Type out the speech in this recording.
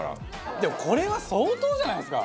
でもこれは相当じゃないですか？